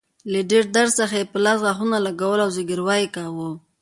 له ډیر درد څخه يې په لاس غاښونه لګول او زګیروی يې کاوه.